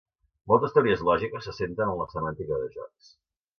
Moltes teories lògiques s'assenten en la semàntica de jocs.